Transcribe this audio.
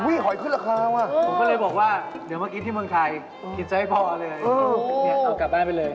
ผมก็เลยบอกว่าเดี๋ยวเรากินที่เมืองไทยกินใจให้พอเลย